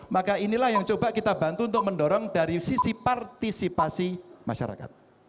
maka inilah yang coba kita bantu untuk mendorong dari sisi partisipasi masyarakat